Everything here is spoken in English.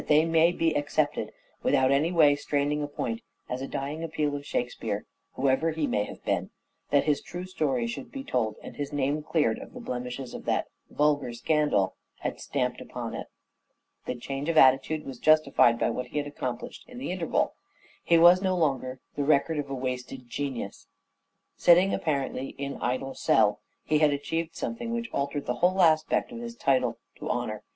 ,,,,.,,,. they may be accepted, without in any way straining a point, as a dying appeal of " Shakespeare," whoever he may have been, that his true story should be told and his name cleared of the blemishes that ' vulgar scandal ' had stamped upon it. The change of attitude was justified by what he had accomplished in the interval. His was no longer the record of a wasted genius. Sitting apparently " in idle cell," he had achieved something which altered the whole aspect of his title to honour.